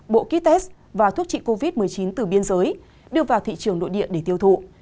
bộ kites và thuốc trị covid một mươi chín từ biên giới đưa vào thị trường nội địa để tiêu thụ